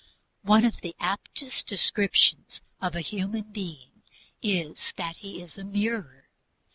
One of the aptest descriptions of a human being is that he is a mirror.